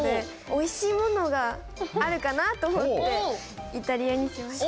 おいしいものがあるかなと思ってイタリアにしました。